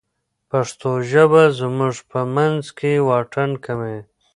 پښتو ژبه زموږ په منځ کې واټن کموي.